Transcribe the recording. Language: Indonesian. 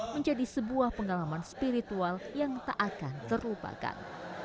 menjadi sebuah pengalaman spiritual yang tak akan terlupakan